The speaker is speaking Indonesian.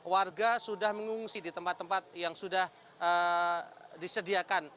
warga sudah mengungsi di tempat tempat yang sudah disediakan